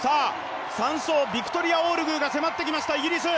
３走、ビクトリア・オールグーが迫ってきました、イギリス。